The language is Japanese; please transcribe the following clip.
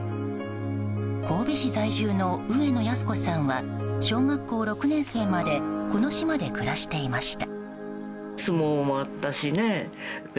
神戸市在住の上野やす子さんは小学校６年生までこの島で暮らしていました。